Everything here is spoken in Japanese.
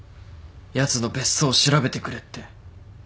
やつの別荘を調べてくれって。